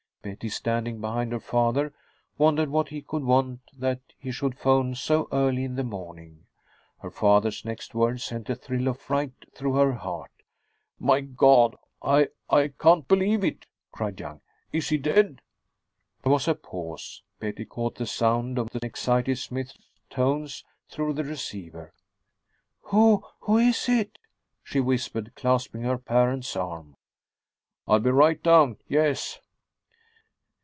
Betty, standing behind her father, wondered what he could want that he should phone so early in the morning. Her father's next words sent a thrill of fright through her heart. "My God! I I can't believe it!" cried Young. "Is he dead?" There was a pause; Betty caught the sound of the excited Smythe's tones through the receiver. "Who who is it?" she whispered, clasping her parent's arm. "I'll be right down, yes."